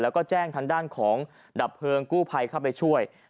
แล้วก็แจ้งทางด้านของดับเพลิงกู้ภัยเข้าไปช่วย